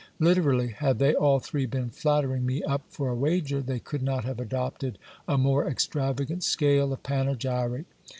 Literally, had they all three been flattering me up for a wager, they could not have adopted a more extravagant scale of panegyric.